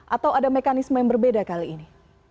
atau ada mekanisme yang berbeda kali ini